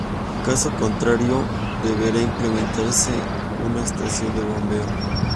Caso contrario deberá implementarse una estación de bombeo.